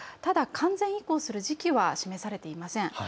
ただ、完全移行する時期は示されていません。